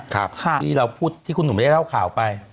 ที่เราพูดที่คุณหนุ่มได้เล่าข่าวไป